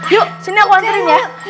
yuk sini aku sering ya